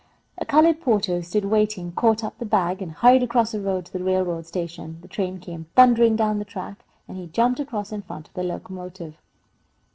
A coloured porter, who stood waiting, caught up the bag and hurried across the road to the railroad station. The train came thundering down the track, and he jumped across in front of the locomotive.